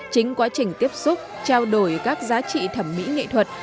chính quá trình tiếp xúc trao đổi các giá trị thẩm mỹ nghệ thuật